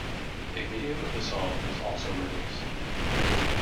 A video of the song was also released.